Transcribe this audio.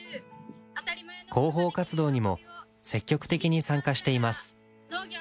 広報活動にも積極的に参加しています。